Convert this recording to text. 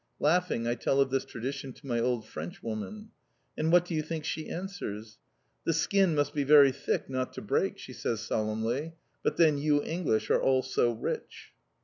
Laughing, I tell of this tradition to my old Frenchwoman. And what do you think she answers? "The skin must be very thick not to break," she says solemnly. "But then you English are all so rich!"